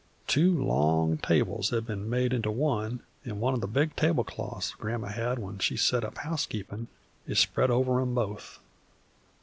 Two long tables have been made into one, and one of the big tablecloths Gran'ma had when she set up housekeepin' is spread over 'em both.